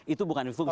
itu bukan difungsi